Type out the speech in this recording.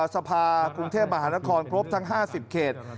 สภากรุงเทพมหานครครบทั้ง๕๐เขต